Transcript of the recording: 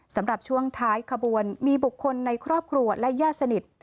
สำหรับช่วงท้ายขบวนมีบุคคลในครอบครัวและญาติสนิท